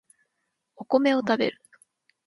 お米を食べる